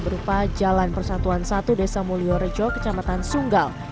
berupa jalan persatuan satu desa mulyorejo kecamatan sunggal